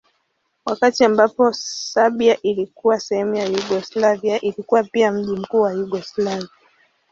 Wakati ambako Serbia ilikuwa sehemu ya Yugoslavia ilikuwa pia mji mkuu wa Yugoslavia.